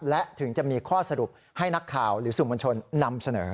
และถึงจะมีข้อสรุปให้นักข่าวหรือสื่อมวลชนนำเสนอ